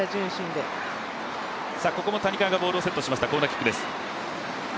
ここも谷川がボールをセットしました、コーナーキックです。